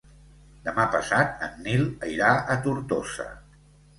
Demà passat en Nil irà a Tortosa.